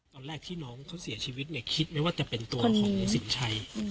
ตอนแรกที่น้องเขาเสียชีวิตเนี่ยคิดไหมว่าจะเป็นตัวของในสินชัย